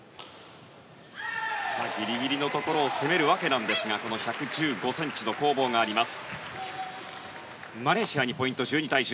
ギリギリのところを攻めるわけですが１１５ｃｍの攻防があります。